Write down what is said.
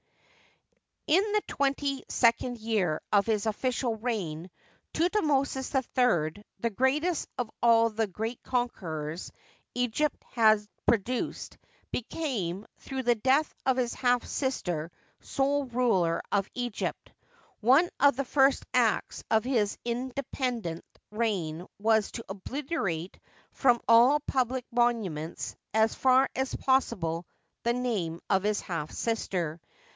In the twenty second year of his official reig^, Thut mosis III, the greatest of all the g^eat conquerors Egypt has produced, became, through the death of his half sister, sole ruler of Egypt. One of the first acts of his independ ent reign was to obliterate from all public monuments, as far as possible, the name of his half sister.